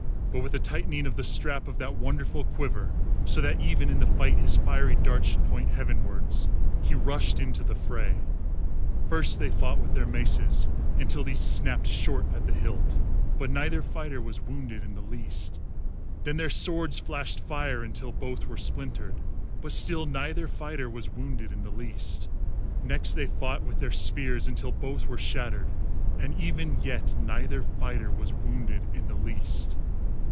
But with a tightening of the strap of that wonderful quiver, so that even in the fight his fiery darts should point heavenwards, he rushed into the fray. First they fought with their maces until these snapped short at the hilt, but neither fighter was wounded in the least. Then their swords flashed fire until both were splintered, but still neither fighter was wounded in the least. Next they fought with their spears until both were shattered, and even yet neither fighter was wounded in the least.